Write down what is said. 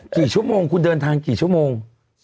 กี่ชั่วโมงคุณเดินทางกี่ชั่วโมง